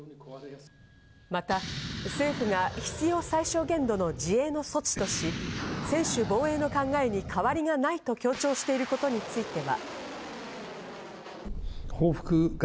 また、政府が必要最小限度の自衛の措置とし、専守防衛の考えに変わりがないと強調していることについては。